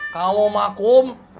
kau sama akum